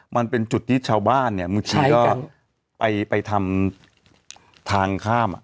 มันเป็นจุดที่ชาวบ้านเนี่ยบางทีก็ไปทำทางข้าม